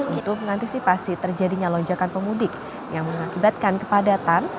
untuk mengantisipasi terjadinya lonjakan pemudik yang mengakibatkan kepadatan